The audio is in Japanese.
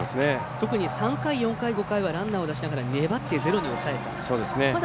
特に３回、４回、５回はランナーを出しながら粘ってゼロに抑えました。